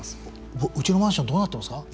うちのマンションどうなってますか？